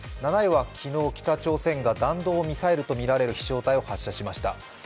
７位は昨日、北朝鮮が弾道ミサイルとみられる飛翔体を発射しました。